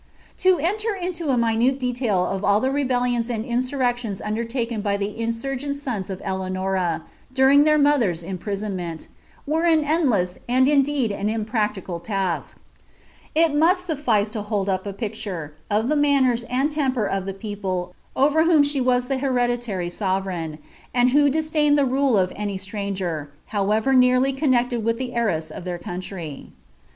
To enter into a minute detail of all the rebellions and iuaarrectMi nDdcriakcn by the insurgent sons of Eleanora, during their mother's m prisonment, were an endless, and indeed an impracticable task, h unal suffice to hold up a picture of the manners and temper of the peoal* over whom she \t'as the hereditary sovereign, and who diadaiDed at rule of any stranger, however nearly connected with the hcinsa o^ ihi country.